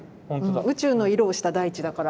宇宙の色をした大地だから。